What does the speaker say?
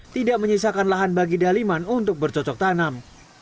tidak menyisakan lahan bagi daliman untuk bercocok tanam